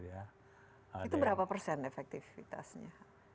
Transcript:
itu berapa persen efektifitasnya